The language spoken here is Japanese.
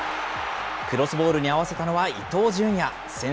クロスボールに合わせたのは伊東純也。